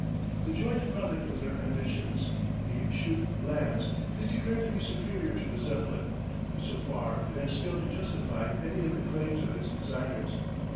The joint product of their ambitions, the Schutte Lanz, is declared to be superior to the Zeppelin, but so far it has failed to justify any of the claims of its designers.